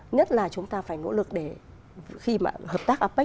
nhất là chúng ta phải nỗ lực để